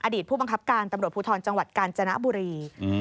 ผู้บังคับการตำรวจภูทรจังหวัดกาญจนบุรี